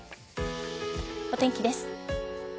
お天気です。